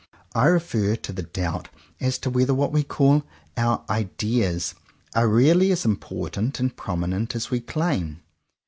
I refer to the doubt as to whether what we call our "ideas" are really as important and prominent as we claim.